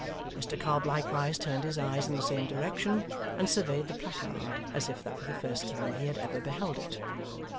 Mr Cobb likewise turned his eyes in the same direction, and surveyed the placard as if that were the first time he had ever beheld it.